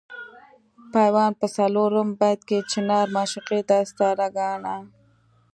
پیوند په څلورم بیت کې چنار معشوقې ته استعاره ګاڼه.